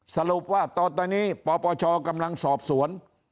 สรุปว่าตอนนี้ปปชกำลังสอบสวน